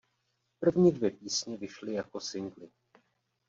První dvě písně vyšly jako singly.